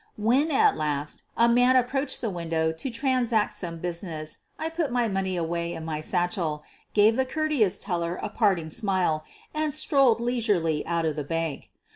When, at last, a man approached the window to transact some business I put my money away in my satchel, gave the courteous teller a parting smile, and strolled leisurely out of the bank.